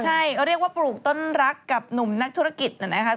ใช่เรียกว่าปลูกต้นรักกับหนุ่มนักธุรกิจนะครับ